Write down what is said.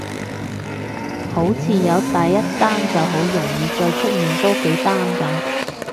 好似有第一單就好容易再出現多幾單噉